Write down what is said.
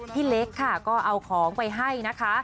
พี่เล็กค่ะก็เอาของไปให้นะคะ